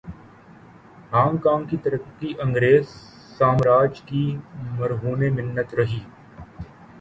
Hong Kong کی ترقی انگریز سامراج کی مرہون منت رہی۔